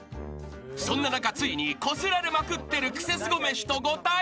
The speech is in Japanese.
そんな中ついにこすられまくってるクセスゴめしとご対面］